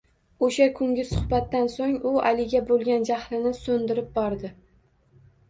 O`sha kungi suhbatdan so`ng u Aliga bo`lgan jahlini so`ndirib bordi